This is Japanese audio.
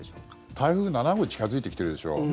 台風７号近付いてきてるでしょ。